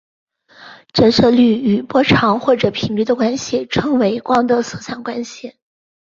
折射率与波长或者频率的关系称为光的色散关系。